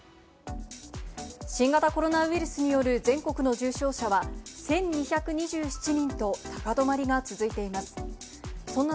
新型コロナウイルスによる全国の重症者は１２２７人と高止まりが続いています。